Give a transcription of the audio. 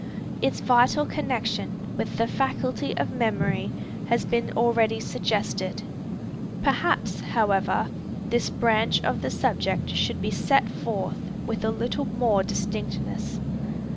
Its vital connection with the faculty of memory has been already suggested. Perhaps, however, this branch of the subject should be set forth with a little more distinctness.